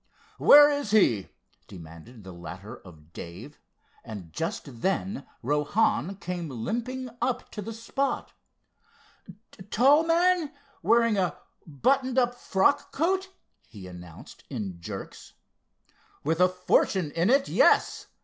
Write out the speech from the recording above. "Where is he?" demanded the latter of Dave, and just then Rohan came limping up to the spot. "Tall man, wearing a buttoned up frock coat?" he announced in jerks. "With a fortune in it, yes!"